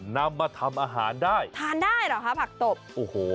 นำมาทำอาหารได้ทานได้เหรอคะผักตบโอ้โห